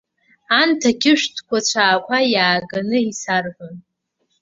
Анҭ ақьышә ҭқәацәаақәа иааганы исарҳәон.